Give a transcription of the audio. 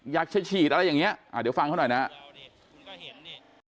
อยากจะฉีดอะไรอย่างนี้เดี๋ยวฟังเขาหน่อยนะครับ